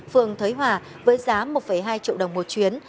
phường thới hòa với giá một hai triệu đồng một chuyến